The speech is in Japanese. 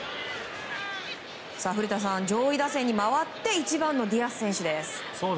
古田さん、上位打線に回って１番のディアス選手です。